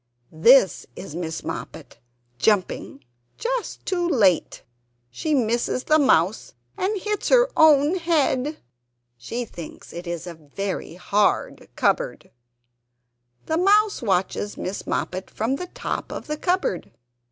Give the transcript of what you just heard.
This is Miss Moppet jumping just too late; she misses the Mouse and hits her own head. She thinks it is a very hard cupboard! The Mouse watches Miss Moppet from the top of the cupboard.